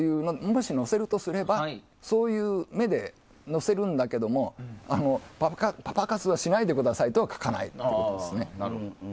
もし載せるとすればそういう目で載せるんだけれどもパパ活しないでくださいとは書かないわけです。